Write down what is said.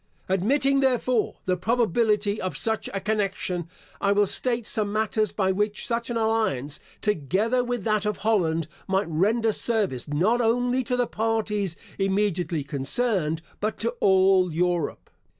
Admitting, therefore, the probability of such a connection, I will state some matters by which such an alliance, together with that of Holland, might render service, not only to the parties immediately concerned, but to all Europe.